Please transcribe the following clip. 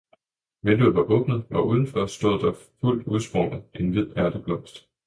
vinduet var åbnet, og udenfor stod der fuldt udsprunget en hvidrød ærteblomst.